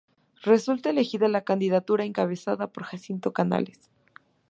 Resulta elegida la candidatura encabezada por Jacinto Canales.